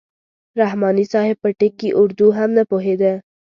رحماني صاحب په ټکي اردو هم نه پوهېده.